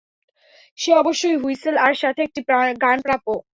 সে অবশ্যই হুইসেল আর সাথে একটি গান প্রাপ্য!